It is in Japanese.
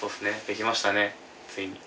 できましたねついに。